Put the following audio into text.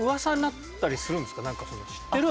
「知ってる？